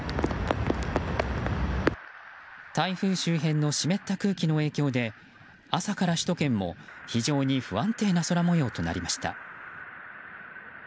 台風周辺の湿った空気の影響で朝から首都圏も、非常に不安定な空模様となりました。